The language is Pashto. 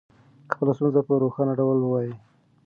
خپله ستونزه په روښانه ډول ووایئ.